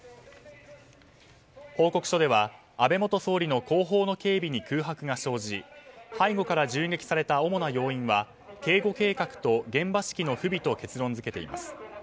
報告書では安倍元総理の後方の警備に空白が生じ背後から銃撃された主な要因は警備計画と現場指揮の不備と結論付けています。